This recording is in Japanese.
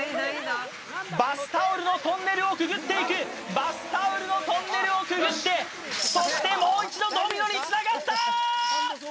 バスタオルのトンネルをくぐっていくバスタオルのトンネルをくぐってそしてもう一度ドミノにつながったー！